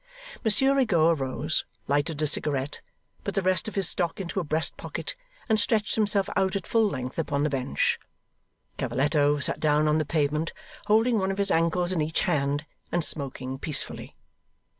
Monsieur Rigaud arose, lighted a cigarette, put the rest of his stock into a breast pocket, and stretched himself out at full length upon the bench. Cavalletto sat down on the pavement, holding one of his ankles in each hand, and smoking peacefully.